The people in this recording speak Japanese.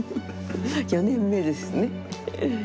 ４年目ですね。